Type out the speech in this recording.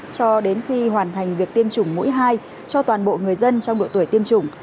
cho đến khi hoàn thành việc tiêm chủng mũi hai cho toàn bộ người dân trong độ tuổi tiêm chủng